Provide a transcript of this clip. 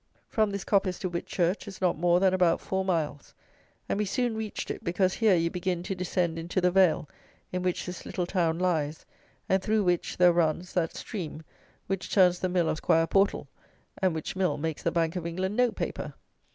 From this coppice to Whitchurch is not more than about four miles, and we soon reached it, because here you begin to descend into the vale, in which this little town lies, and through which there runs that stream which turns the mill of 'Squire Portal, and which mill makes the Bank of England Note Paper!